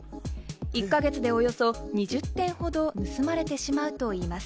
１か月でおよそ２０点ほど盗まれてしまうといいます。